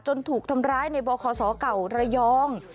ถูกทำร้ายในบคศเก่าระยอง